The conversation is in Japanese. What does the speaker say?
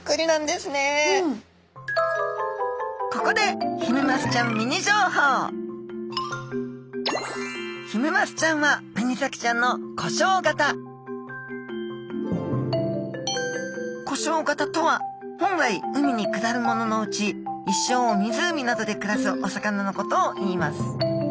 ここでヒメマスちゃんミニ情報湖沼型とは本来海に下るもののうち一生を湖などで暮らすお魚のことをいいます